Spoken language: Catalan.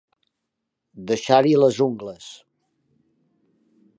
Deixar-hi les ungles.